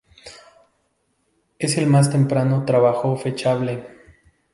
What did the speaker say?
Es el más temprano trabajo fechable.